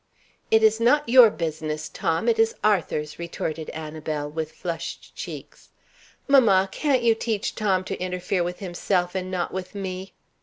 "It is not your business, Tom; it is Arthur's," retorted Annabel, with flushed cheeks. "Mamma, can't you teach Tom to interfere with himself, and not with me?"